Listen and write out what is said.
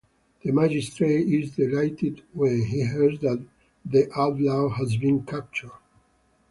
The magistrate is delighted when he hears that the outlaw has been captured.